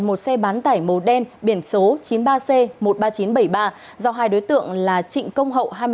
một xe bán tải màu đen biển số chín mươi ba c một mươi ba nghìn chín trăm bảy mươi ba do hai đối tượng là trịnh công hậu